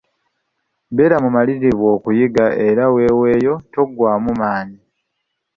Beera mumalirirvu okuyiga era weweeyo, toggwaamu maanyi.